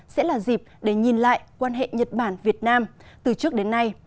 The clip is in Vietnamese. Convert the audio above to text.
sẽ là dịp để nhìn lại quan hệ nhật bản việt nam từ trước đến nay